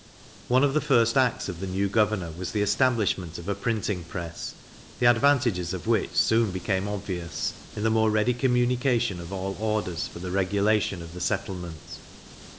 One of the first acts of the new governor was the establishment of a printing press, the advantages of which soon became obvious, in the more ready communication of all orders for the regulation of the settlement.